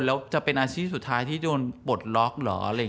แล้วจะเป็นอาชีพสุดท้ายที่โดนปลดล็อกเหรอ